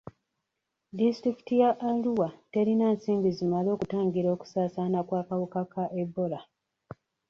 Disitulikiti ya Arua telina nsimbi zimala kutangira kusaasaana kw'akawuka ka Ebola.